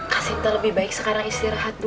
kasih entah lebih baik sekarang istirahat dulu